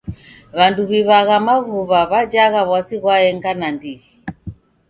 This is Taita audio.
W'andu w'iw'agha maghuwa w'ajagha w'asi ghwaenga nandighi.